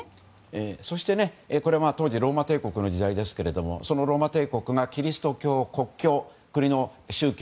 そして、当時はローマ帝国の時代ですがそのローマ帝国がキリスト教を国教。